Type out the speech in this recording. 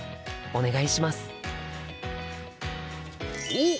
おっ！